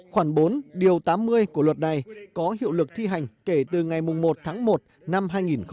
khoảng bốn điều tám mươi của luật này có hiệu lực thi hành kể từ ngày một tháng một năm hai nghìn một mươi chín